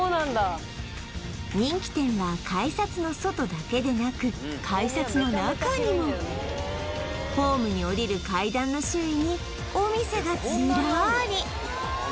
人気店は改札の外だけでなく改札の中にもホームに下りる階段の周囲にお店がズラーリ